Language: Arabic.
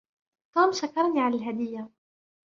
توم شكرني على الهدية.